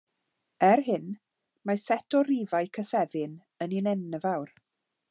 Er hyn, mae'r set o rifau cysefin yn un enfawr.